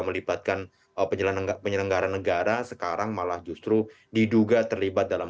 melibatkan penyelenggara penyelenggaran negara sekarang malah justru diduga terlibat dalam